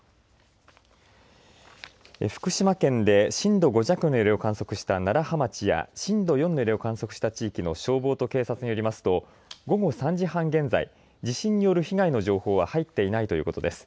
福島県で震度５弱の揺れを観測した楢葉町や震度４の揺れを観測した地域の消防と警察によりますと午後３時半現在、地震による被害の情報は入っていないということです。